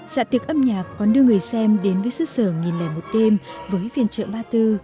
xã tiệc âm nhạc còn đưa người xem đến với sức sở nhìn lẻ một đêm với phiền trợ ba tư